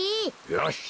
よし。